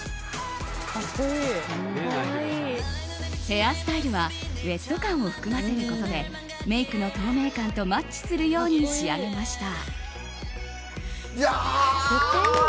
ヘアスタイルはウェット感を含ませることでメイクの透明感とマッチするように仕上げました。